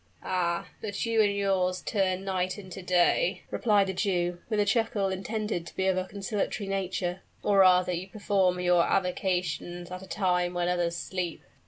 "Ah! but you and yours turn night into day," replied the Jew, with a chuckle intended to be of a conciliatory nature: "or rather you perform your avocations at a time when others sleep."